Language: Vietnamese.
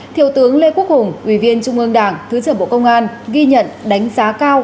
thiếu tướng lê quốc hùng ủy viên trung ương đảng thứ trưởng bộ công an ghi nhận đánh giá cao